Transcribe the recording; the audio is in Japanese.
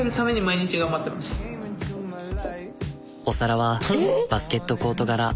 お皿はバスケットコート柄。